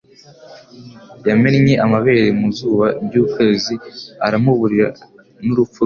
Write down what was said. Yamennye amabere mu zuba ry'ukwezi aramuburira - n'urupfu rwe.